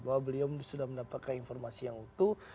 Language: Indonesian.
bahwa beliau sudah mendapatkan informasi yang utuh